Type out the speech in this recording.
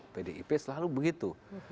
pdip selalu begitu